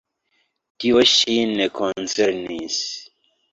Tio ŝin ne koncernis.